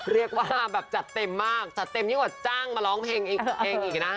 เรียกว่าเจอเต็มมากเจอเต็มอย่างเยอะกว่าจ้างมาร้องเพลงเองอีกนะ